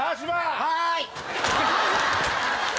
はい。